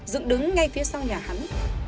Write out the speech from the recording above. dựng đứng ngay phía sau nhà hắn